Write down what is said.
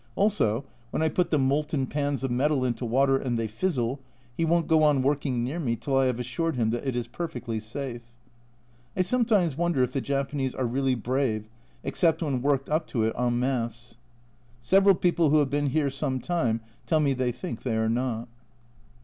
Also, when I put the molten pans of metal into water and they fizzle, he won't go on working near me till I have assured him that it is perfectly safe. I sometimes wonder if the Japanese are really brave except when worked up to it en masse. Several people who have been here some time tell me they think they are not.